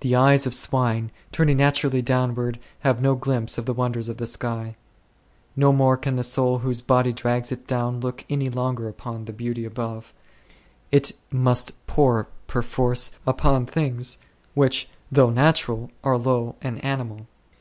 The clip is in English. The eyes of swine, turning naturally downward, have no glimpse of the wonders of the sky ; no more can the soul whose body drags it down look any longer upon the beauty above; it must pore perforce upon things which though natural are low and animal.